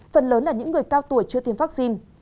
phần lớn là những người cao tuổi chưa tiêm vaccine